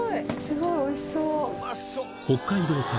すごいおいしそう。